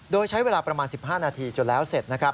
โดยใช้เวลาประมาณ๑๕นาทีจนแล้วเสร็จนะครับ